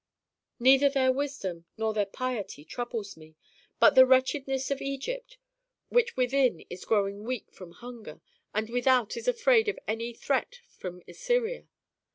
Neither their wisdom nor their piety troubles me, but the wretchedness of Egypt, which within is growing weak from hunger, and without is afraid of any threat from Assyria.